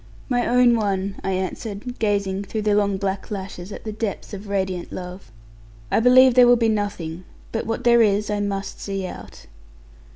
'My own one,' I answered, gazing through the long black lashes, at the depths of radiant love; 'I believe there will be nothing: but what there is I must see out.'